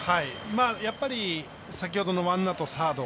やっぱり、先ほどのワンアウト、サード。